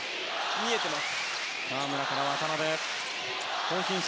見えてます。